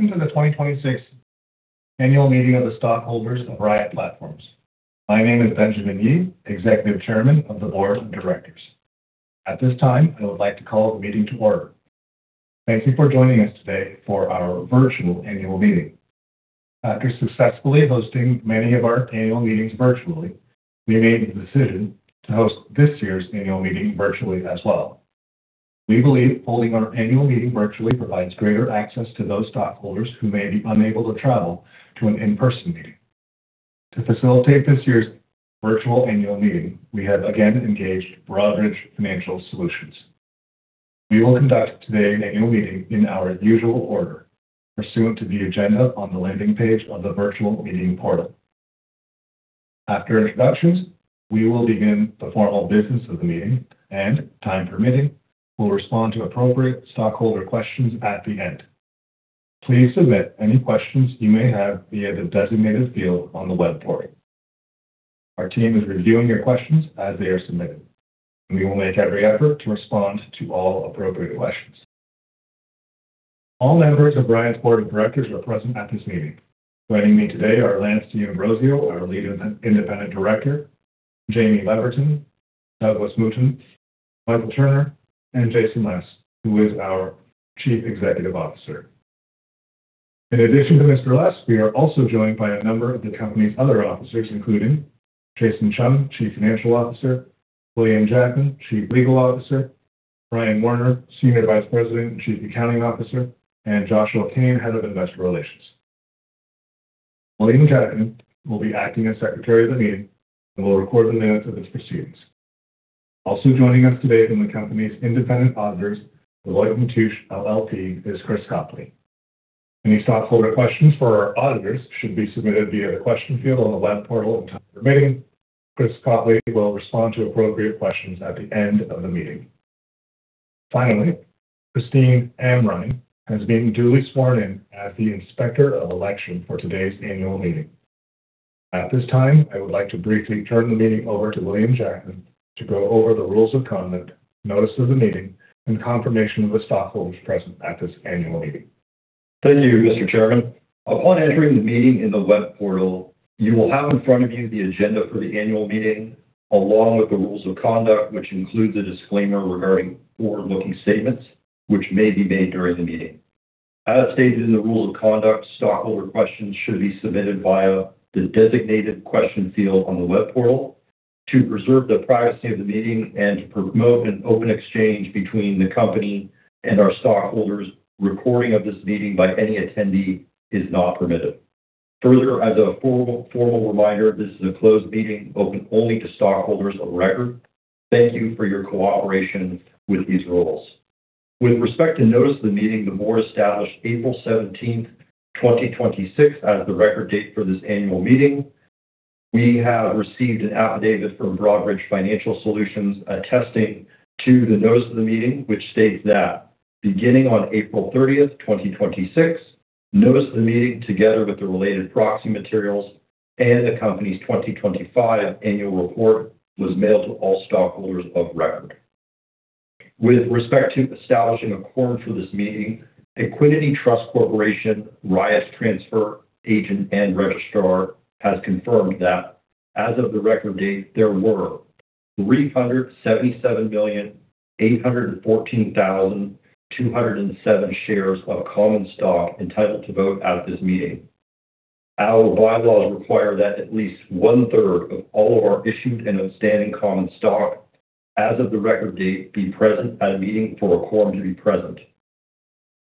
Welcome to the 2026 annual meeting of the stockholders of Riot Platforms. My name is Benjamin Yi, Executive Chairman of the Board of Directors. At this time, I would like to call the meeting to order. Thank you for joining us today for our virtual annual meeting. After successfully hosting many of our annual meetings virtually, we made the decision to host this year's annual meeting virtually as well. We believe holding our annual meeting virtually provides greater access to those stockholders who may be unable to travel to an in-person meeting. To facilitate this year's virtual annual meeting, we have again engaged Broadridge Financial Solutions. We will conduct today's annual meeting in our usual order, pursuant to the agenda on the landing page of the virtual meeting portal. After introductions, we will begin the formal business of the meeting, and time permitting, we will respond to appropriate stockholder questions at the end. Please submit any questions you may have via the designated field on the web portal. Our team is reviewing your questions as they are submitted, and we will make every effort to respond to all appropriate questions. All members of Riot's Board of Directors are present at this meeting. Joining me today are Lance D'Ambrosio, our Lead Independent Director, Jaime Leverton, Doug Mouton, Michael Turner, and Jason Les, who is our Chief Executive Officer. In addition to Mr. Les, we are also joined by a number of the company's other officers, including Jason Chung, Chief Financial Officer, William Jackman, Chief Legal Officer, Ryan Werner, Senior Vice President and Chief Accounting Officer, and Joshua Kane, Head of Investor Relations. William Jackman will be acting as Secretary of the Meeting and will record the minutes of its proceedings. Also joining us today from the company's independent auditors Deloitte & Touche is Chris Copley. Any stockholder questions for our auditors should be submitted via the question field on the web portal and time permitting, Chris Copley will respond to appropriate questions at the end of the meeting. Finally, Christine Amrhein has been duly sworn in as the Inspector of Election for today's annual meeting. At this time, I would like to briefly turn the meeting over to William Jackman to go over the rules of conduct, notice of the meeting, and confirmation of the stockholders present at this annual meeting. Thank you, Mr. Chairman. Upon entering the meeting in the web portal, you will have in front of you the agenda for the annual meeting, along with the rules of conduct, which includes a disclaimer regarding forward-looking statements which may be made during the meeting. As stated in the rules of conduct, stockholder questions should be submitted via the designated question field on the web portal. To preserve the privacy of the meeting and to promote an open exchange between the company and our stockholders, recording of this meeting by any attendee is not permitted. Further, as a formal reminder, this is a closed meeting open only to stockholders of record. Thank you for your cooperation with these rules. With respect to notice of the meeting, the Board established April 17th, 2026 as the record date for this annual meeting. We have received an affidavit from Broadridge Financial Solutions attesting to the notice of the meeting, which states that beginning on April 30th, 2026, notice of the meeting, together with the related proxy materials and the company's 2025 annual report, was mailed to all stockholders of record. With respect to establishing a quorum for this meeting, Equiniti Trust Company, Riot's transfer agent and registrar, has confirmed that as of the record date, there were 377,814,207 shares of common stock entitled to vote at this meeting. Our bylaws require that at least one-third of all of our issued and outstanding common stock as of the record date be present at a meeting for a quorum to be present.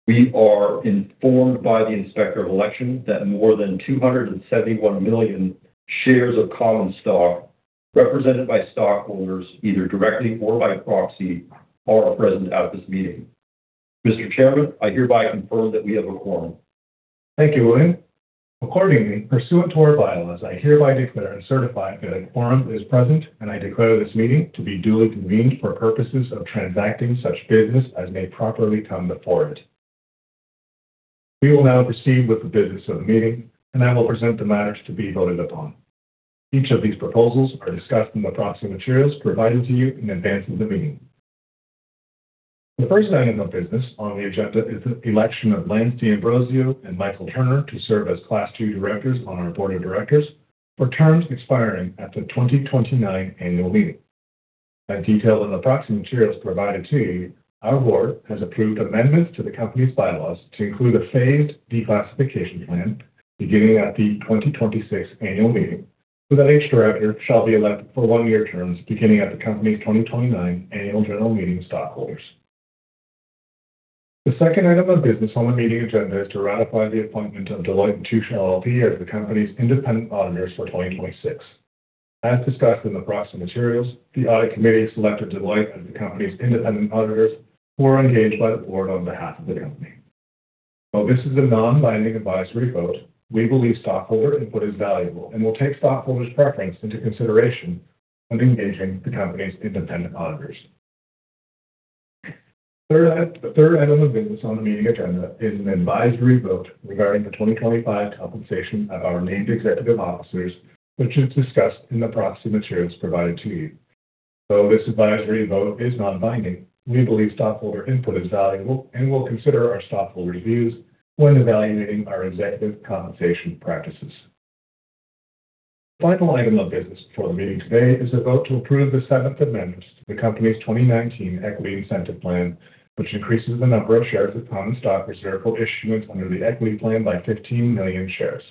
We are informed by the Inspector of Election that more than 271 million shares of common stock represented by stockholders, either directly or by proxy, are present at this meeting. Mr. Chairman, I hereby confirm that we have a quorum. Thank you, William. Accordingly, pursuant to our bylaws, I hereby declare and certify that a quorum is present, and I declare this meeting to be duly convened for purposes of transacting such business as may properly come before it. We will now proceed with the business of the meeting, and I will present the matters to be voted upon. Each of these proposals are discussed in the proxy materials provided to you in advance of the meeting. The first item of business on the agenda is the election of Lance D'Ambrosio and Michael Turner to serve as Class II directors on our Board of Directors for terms expiring at the 2029 annual meeting. As detailed in the proxy materials provided to you, our board has approved amendments to the company's bylaws to include a phased declassification plan beginning at the 2026 annual meeting, so that each director shall be elected for one-year terms beginning at the company's 2029 annual general meeting of stockholders. The second item of business on the meeting agenda is to ratify the appointment of Deloitte & Touche, LLP as the company's independent auditors for 2026. As discussed in the proxy materials, the audit committee selected Deloitte as the company's independent auditors, who are engaged by the board on behalf of the company. While this is a non-binding advisory vote, we believe stockholder input is valuable and will take stockholders' preference into consideration when engaging the company's independent auditors. The third item of business on the meeting agenda is an advisory vote regarding the 2025 compensation of our named executive officers, which is discussed in the proxy materials provided to you. Though this advisory vote is not binding, we believe stockholder input is valuable and will consider our stockholders' views when evaluating our executive compensation practices. The final item of business before the meeting today is a vote to approve the seventh amendment to the company's 2019 Equity Incentive Plan, which increases the number of shares of common stock reserved for issuance under the equity plan by 15 million shares.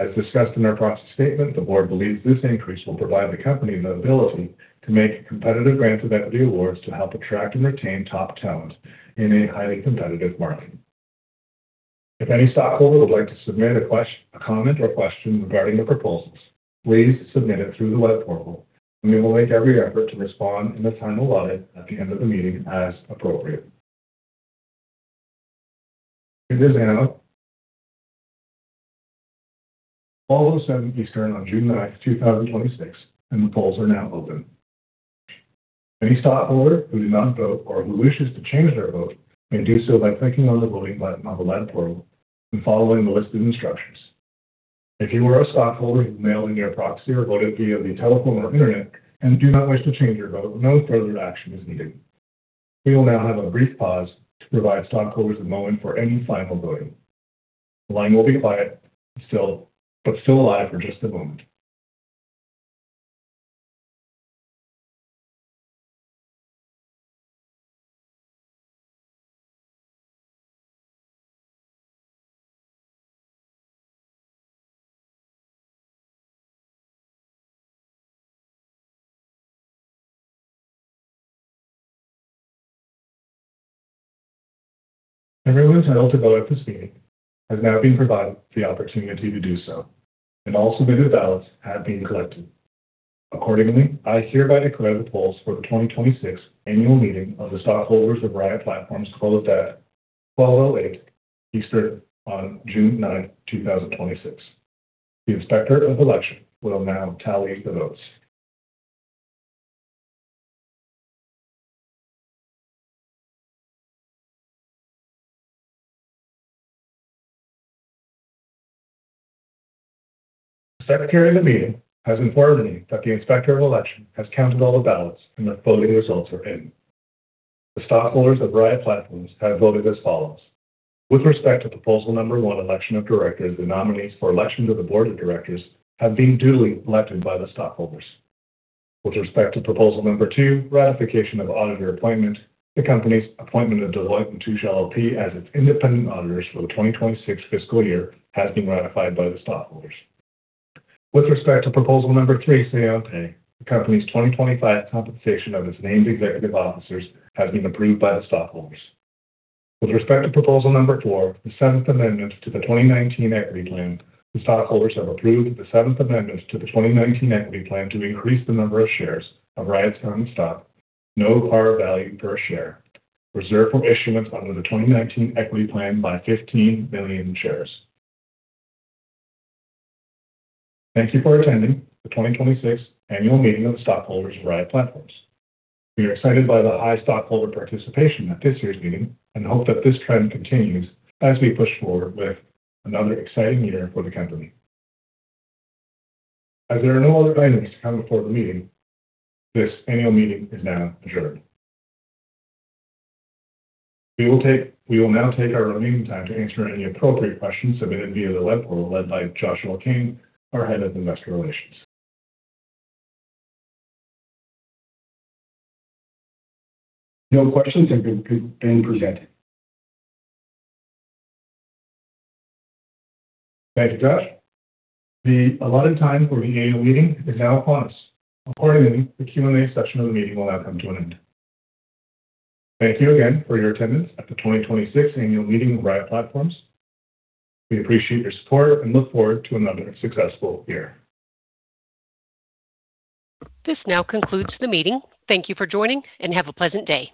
As discussed in our proxy statement, the Board believes this increase will provide the company the ability to make competitive grants of equity awards to help attract and retain top talent in a highly competitive market. If any stockholder would like to submit a comment or question regarding the proposals, please submit it through the web portal. We will make every effort to respond in the time allotted at the end of the meeting as appropriate. It is now 12:07 P.M. Eastern on June 9, 2026. The polls are now open. Any stockholder who did not vote or who wishes to change their vote may do so by clicking on the voting button on the web portal and following the listed instructions. If you are a stockholder who mailed in your proxy or voted via the telephone or Internet and do not wish to change your vote, no further action is needed. We will now have a brief pause to provide stockholders a moment for any final voting. The line will be quiet but still alive for just a moment. Everyone entitled to vote at this meeting has now been provided the opportunity to do so. All submitted ballots have been collected. Accordingly, I hereby declare the polls for the 2026 Annual Meeting of the Stockholders of Riot Platforms closed at 12:08 P.M. Eastern on June 9, 2026. The Inspector of Election will now tally the votes. The Secretary of the meeting has informed me that the Inspector of Election has counted all the ballots and that voting results are in. The stockholders of Riot Platforms have voted as follows. With respect to Proposal No. 1, Election of Directors, the nominees for election to the Board of Directors have been duly elected by the stockholders. With respect to Proposal No. 2, Ratification of Auditor Appointment, the company's appointment of Deloitte & Touche LP as its independent auditors for the 2026 fiscal year has been ratified by the stockholders. With respect to Proposal No. 3, Say on Pay, the company's 2025 compensation of its named executive officers has been approved by the stockholders. With respect to Proposal No. 4, the Seventh Amendment to the 2019 Equity Plan, the stockholders have approved the Seventh Amendment to the 2019 Equity Plan to increase the number of shares of Riot's common stock, no par value per share, reserved for issuance under the 2019 Equity Plan by 15 million shares. Thank you for attending the 2026 Annual Meeting of the Stockholders of Riot Platforms. We are excited by the high stockholder participation at this year's meeting and hope that this trend continues as we push forward with another exciting year for the company. There are no other items to come before the meeting, this Annual Meeting is now adjourned. We will now take our remaining time to answer any appropriate questions submitted via the web portal led by Joshua Kane, our Head of Investor Relations. No questions have been presented. Thank you, Josh. The allotted time for the annual meeting is now upon us. The Q&A section of the meeting will now come to an end. Thank you again for your attendance at the 2026 annual meeting of Riot Platforms. We appreciate your support and look forward to another successful year. This now concludes the meeting. Thank you for joining, and have a pleasant day.